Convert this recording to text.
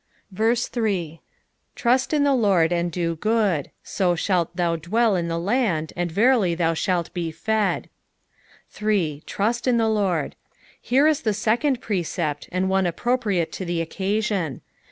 •\^ 3 Trust in the LORD, and do good ; so shall thou dwell in the land, and verily thou shalt be fed, 3. " Trasl in Iht Lord." Here is the second precept, and one appropriate to the occasion.